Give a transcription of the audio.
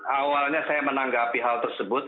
awalnya saya menanggapi hal tersebut